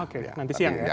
oke nanti siang ya